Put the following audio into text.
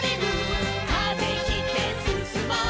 「風切ってすすもう」